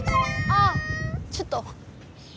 あっちょっと。